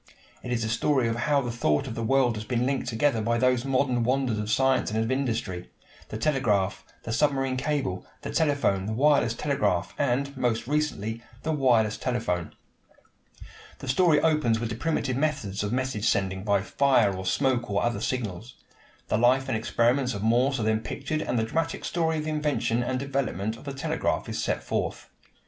It is the story of how the thought of the world has been linked together by those modern wonders of science and of industry the telegraph, the submarine cable, the telephone, the wireless telegraph, and, most recently, the wireless telephone. The story opens with the primitive methods of message sending by fire or smoke or other signals. The life and experiments of Morse are then pictured and the dramatic story of the invention and development of the telegraph is set forth.